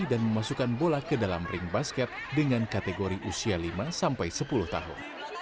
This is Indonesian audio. dan memasukkan bola ke dalam ring basket dengan kategori usia lima sampai sepuluh tahun